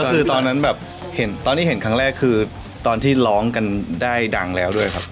ก็คือตอนนั้นแบบเห็นตอนที่เห็นครั้งแรกคือตอนที่ร้องกันได้ดังแล้วด้วยครับ